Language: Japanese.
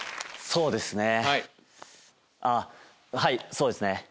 そうですねあっはいそうですね。